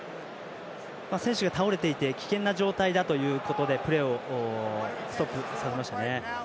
選手が倒れていて危険な状態だということでプレーをストップさせましたね。